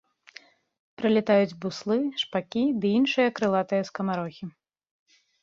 Прылятаюць буслы, шпакі ды іншыя крылатыя скамарохі.